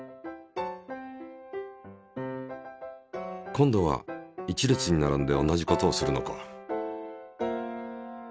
今度は１列に並んで同じことをするのか。